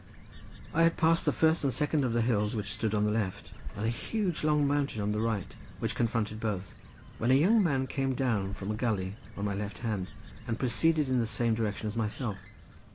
I had passed the first and second of the hills which stood on the left, and a huge long mountain on the right which confronted both when a young man came down from a gulley on my left hand, and proceeded in the same direction as myself.